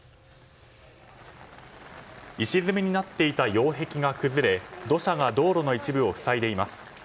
石積みになっていた擁壁が崩れ土砂が道路の一部を塞いでいます。